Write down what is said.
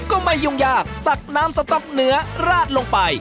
ก็ไม่ยุ่งยากตักน้ำสต๊อกเนื้อราดลงไป